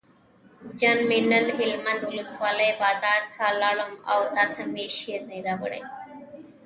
جان مې نن هلمند ولسوالۍ بازار ته لاړم او تاته مې شیرینۍ راوړې.